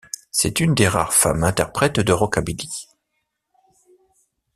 C'est une des rares femmes interprètes de rockabilly.